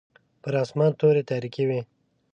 پر اسمان توري تاریکې وې.